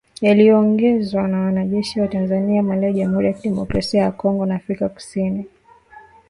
yaliyoongozwa na wanajeshi wa Tanzania Malawi jamhuri ya kidemokrasia ya Kongo na Afrika kusini